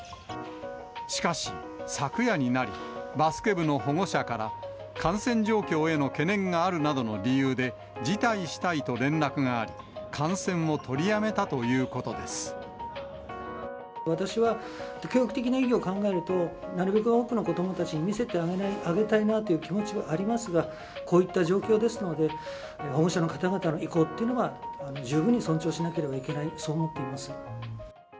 しかし、昨夜になり、バスケ部の保護者から、感染状況への懸念があるなどの理由で、辞退したいと連絡があり、私は、教育的な意義を考えると、なるべく多くの子どもたちに見せてあげたいなという気持ちはありますが、こういった状況ですので、保護者の方々の意向っていうのは、十分に尊重しなければいけない、そう思っています。